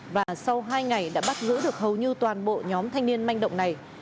và sau hai ngày đã bắt giữ được hầu như toàn bộ nhóm thanh niên manh động này